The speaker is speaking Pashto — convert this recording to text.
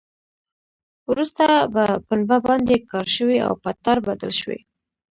وروسته په پنبه باندې کار شوی او په تار بدل شوی.